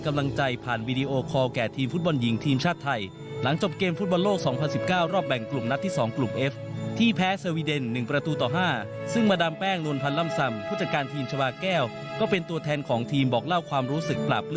กระบวนใหม่ตรีจิตครับ